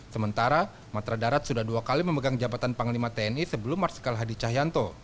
sementara matra darat sudah dua kali memegang jabatan panglima tni sebelum marsikal hadi cahyanto